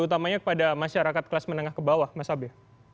utamanya kepada masyarakat kelas menengah ke bawah mas abe